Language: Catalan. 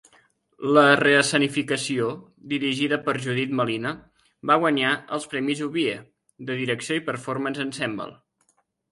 La re-escenificació, dirigida per Judith Malina, va guanyar els premis Obie de direcció i performance Ensemble.